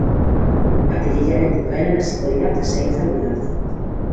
Apirilaren bukaeran hasiko dira pasahitzak bidaltzen.